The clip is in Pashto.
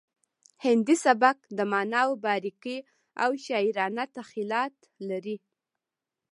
هندي سبک د معناوو باریکۍ او شاعرانه تخیلات لري